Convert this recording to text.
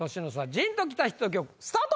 ジーンときたヒット曲スタート！